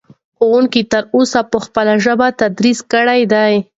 ښوونکي تر اوسه په خپله ژبه تدریس کړی دی.